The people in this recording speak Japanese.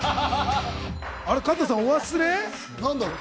加藤さん、お忘れ？